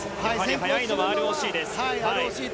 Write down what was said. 速いのはＲＯＣです。